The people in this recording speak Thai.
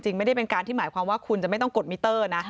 ไม่ได้เป็นการที่หมายความว่าคุณจะไม่ต้องกดมิเตอร์นะ